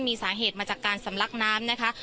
มีสาเหตุมาจากการสำลักน้ำนะคะ